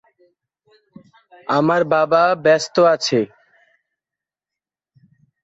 আমার বাবা ব্যস্ত আছে।